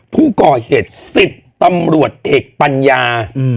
ผู้ก่อเหตุศิษฐ์ตำรวจเหตุปัญญา